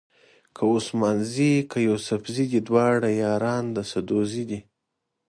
که عثمان زي که یوسفزي دي دواړه یاران د سدوزي دي.